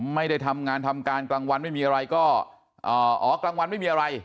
ไม่ได้ทำงานทำการกลางวันไม่มีอะไรก็อ๋อกลางวันไม่มีอะไร